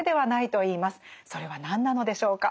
それは何なのでしょうか。